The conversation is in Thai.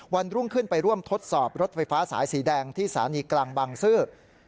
วันรุ่งขึ้นไปร่วมทดสอบรถไฟฟ้าสายสีแดงที่สถานีกลางบางซื่อ